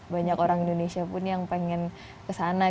banyak orang indonesia pun yang pengen kesana